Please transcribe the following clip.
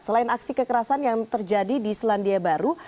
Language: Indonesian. selain aksi kekerasan yang terjadi di selandia baru